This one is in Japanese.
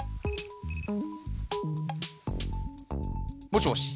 もしもし。